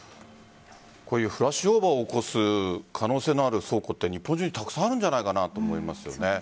フラッシュオーバーを起こす可能性のある倉庫は日本中にたくさんあるんじゃないかと思います。